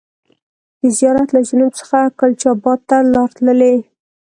د زیارت له جنوب څخه کلچا بات ته لار تللې.